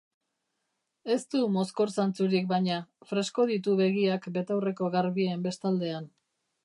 Ez du mozkor zantzurik baina, fresko ditu begiak betaurreko garbien bestaldean.